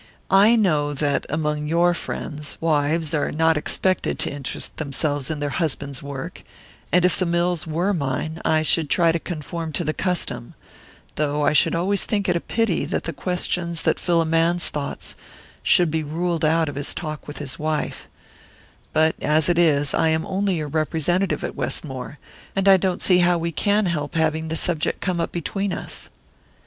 "I know that, among your friends, wives are not expected to interest themselves in their husbands' work, and if the mills were mine I should try to conform to the custom, though I should always think it a pity that the questions that fill a man's thoughts should be ruled out of his talk with his wife; but as it is, I am only your representative at Westmore, and I don't see how we can help having the subject come up between us."